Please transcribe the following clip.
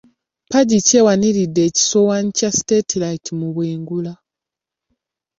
Mpagi ki ewaniridde ekisowani kya ssetirayiti mu bwengula?